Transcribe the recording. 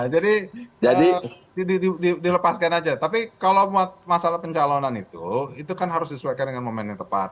jadi dilepaskan aja tapi kalau masalah pencalonan itu itu kan harus disesuaikan dengan momen yang tepat